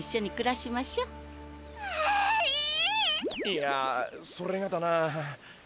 いやそれがだな。